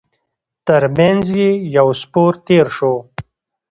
تر مينځ يې يو سپور تېر شو.